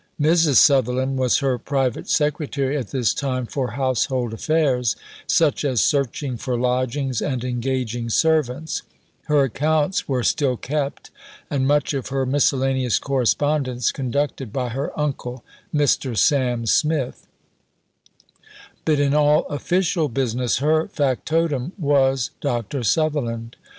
Mrs. Sutherland was her private secretary at this time for household affairs, such as searching for lodgings and engaging servants; her accounts were still kept, and much of her miscellaneous correspondence conducted by her uncle, Mr. Sam Smith; but in all official business, her factotum was Dr. Sutherland.